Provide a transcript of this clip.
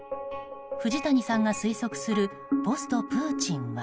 藤谷さんが推測するポストプーチンは。